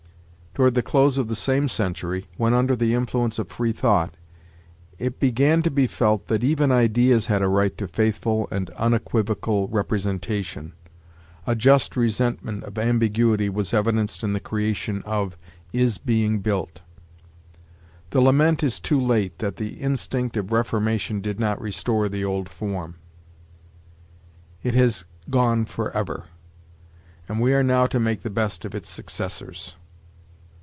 Toward the close of the same century, when, under the influence of free thought, it began to be felt that even ideas had a right to faithful and unequivocal representation, a just resentment of ambiguity was evidenced in the creation of is being built. The lament is too late that the instinct of reformation did not restore the old form. It has gone forever; and we are now to make the best of its successors.